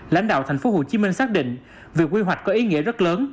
lãnh đạo tp hcm xác định việc quy hoạch có ý nghĩa rất lớn